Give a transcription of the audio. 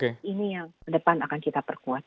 ini yang ke depan akan kita perkuat